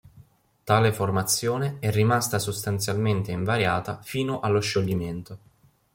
Tale formazione è rimasta sostanzialmente invariata fino allo scioglimento.